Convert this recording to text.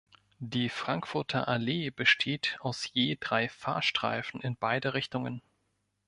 Die Frankfurter Allee besteht aus je drei Fahrstreifen in beiden Richtungen.